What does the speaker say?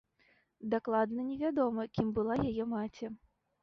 Дакладна не вядома, кім была яе маці.